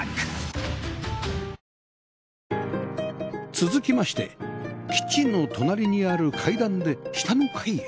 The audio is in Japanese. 続きましてキッチンの隣にある階段で下の階へ